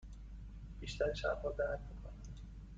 بیشتر شبها درد می کند.